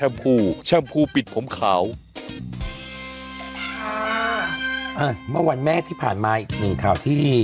เมื่อวันแม่ที่ผ่านมาอีกหนึ่งข่าวที่